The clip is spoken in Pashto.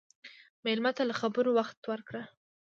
مېلمه ته له خبرو وخت ورکړه.